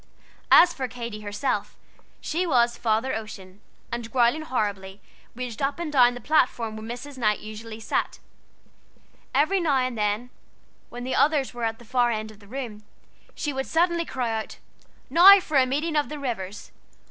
As for Katy herself, she was "Father Ocean," and, growling horribly, raged up and down the platform where Mrs. Knight usually sat. Every now and then, when the others were at the far end of the room, she would suddenly cry out, "Now for a meeting of the waters!"